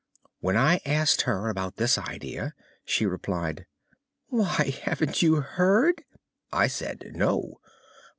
When I asked her about this idea, she replied: "Why, haven't you heard?" I said "No."